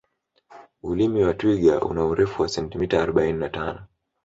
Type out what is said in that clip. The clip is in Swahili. ulimi wa twiga una urefu wa sentimeta arobaini na tano